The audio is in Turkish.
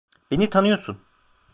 Beni tanıyorsun.